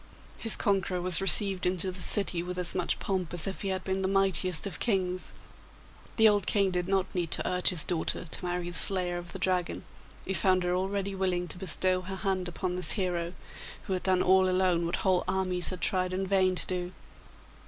His conqueror was received into the city with as much pomp as if he had been the mightiest of kings. The old King did not need to urge his daughter to marry the slayer of the Dragon; he found her already willing to bestow her hand upon this hero, who had done all alone what whole armies had tried in vain to do.